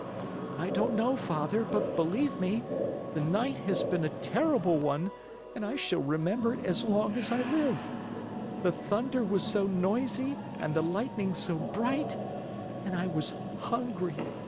"I don't know, Father, but believe me, the night has been a terrible one and I shall remember it as long as I live. The thunder was so noisy and the lightning so bright and I was hungry.